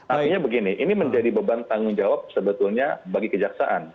artinya begini ini menjadi beban tanggung jawab sebetulnya bagi kejaksaan